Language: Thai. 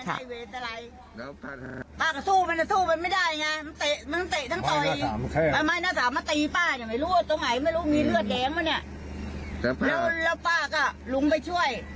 แล้วป้าก็ลุงไปช่วย